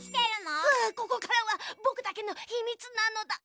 ここからはぼくだけのひみつなのだ！